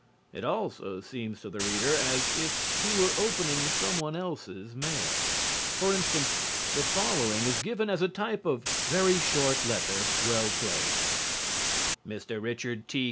It also seems to the reader as if he were opening someone else's mail. For instance, the following is given as a type of "very short letter, well placed": Mr. Richard T.